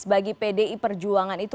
bagi pdi perjuangan itu